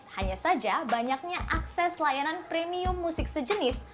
hanya saja banyaknya akses layanan premium musik sejenis